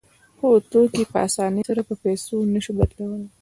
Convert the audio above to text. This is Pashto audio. خو توکي په اسانۍ سره په پیسو نشو بدلولی